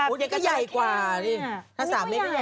เป็นสินพากรแบบนี้